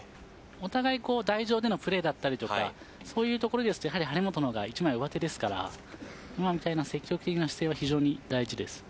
お互い台上でのプレーだったりそういうところですと張本の方が一枚上手ですから今のような積極的な姿勢は非常に大事です。